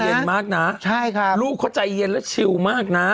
เย็นมากนะใช่ครับลูกเขาใจเย็นและชิวมากนะ